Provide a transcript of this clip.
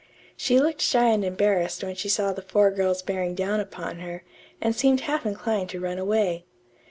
She looked shy and embarrassed when she saw the four girls bearing down upon her, and seemed half inclined to run away.